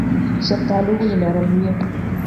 شفتالو ولې نرم وي؟